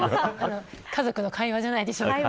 家族の会話じゃないでしょうか。